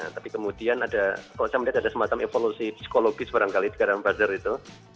tapi kemudian ada kalau saya melihat ada semacam evolusi psikologi seorang kali di dalam buzzer itu